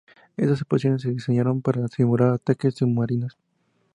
Estas explosiones se diseñaron para simular ataques submarinos.